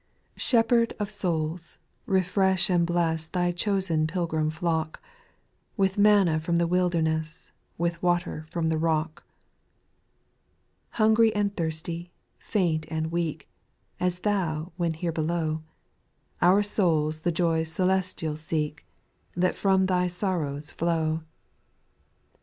1. n HEPHERD of souls, refresh and bless O Thy chosen pilgrim flock. With manna from the wilderness. With water from the rock. 2. Hungry and thirsty, faint and weak, (As Thou when here below,) Qur souls the joys celestial seek, That from Thy sorrows flow.